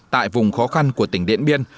tại vùng khó khăn của tỉnh điện biên